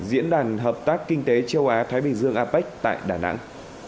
diễn đàn hợp tác kinh tế châu á thái bình dương apec tại đà nẵng